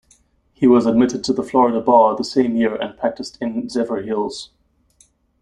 He was admitted to the Florida bar the same year and practiced in Zephyrhills.